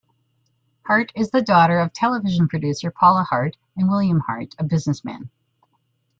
Hart is the daughter of television producer Paula Hart and William Hart, a businessman.